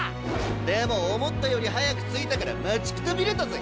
でも思ったより早く着いたから待ちくたびれたぜ！